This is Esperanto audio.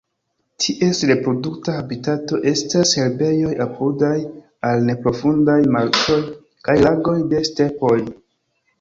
Ties reprodukta habitato estas herbejoj apudaj al neprofundaj marĉoj kaj lagoj de stepoj.